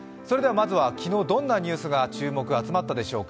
まずは昨日どんなニュースが注目集まったでしょうか。